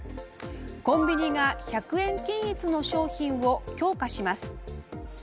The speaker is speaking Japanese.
コンビニが１００円均一の商品を強化します。